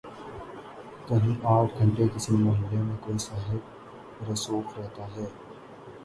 کہیں آٹھ گھنٹے کسی محلے میں کوئی صاحب رسوخ رہتا ہے۔